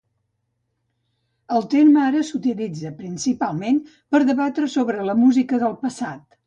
El terme ara s'utilitza principalment per debatre sobre la música del passat.